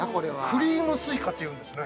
◆クリームスイカっていうんですね。